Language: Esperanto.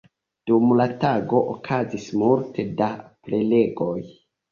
Dum la tago okazis multe da prelegoj.